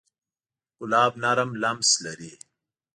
ګلاب نرم لمس لري.